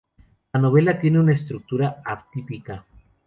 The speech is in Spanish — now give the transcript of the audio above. La novela tiene una estructura atípica.